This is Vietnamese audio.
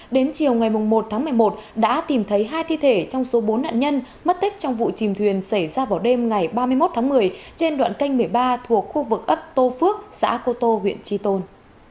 đến chiều ngày một tháng một mươi một đã tìm thấy hai thi thể trong số bốn nạn nhân mất tích trong vụ chìm thuyền xảy ra vào đêm ngày ba mươi một tháng một mươi trên đoạn kênh một mươi ba thuộc khu vực ấp tô phước xã cô tô huyện tri tôn